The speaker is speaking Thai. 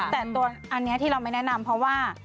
แต่ตัวอันนี้ที่เราไม่แนะนำเพราะว่า